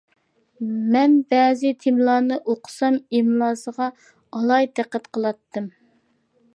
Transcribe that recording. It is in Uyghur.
مەن بەزى تېمىلارنى ئوقۇسام ئىملاسىغا ئالاھىدە دىققەت قىلاتتىم.